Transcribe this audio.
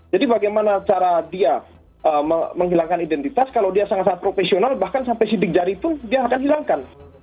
jadi bagaimana cara dia menghilangkan identitas kalau dia sangat sangat profesional bahkan sampai sidik jari itu dia akan hilangkan